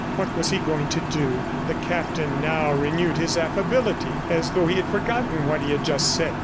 What was he going to do? ... The Captain now renewed his affability as though he had forgotten what he had just said.